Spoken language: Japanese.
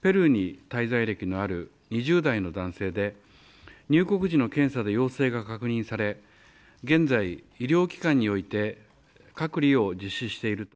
ペルーに滞在歴のある２０代の男性で、入国時の検査で陽性が確認され、現在、医療機関において隔離を実施している。